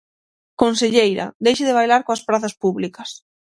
Conselleira, deixe de bailar coas prazas públicas.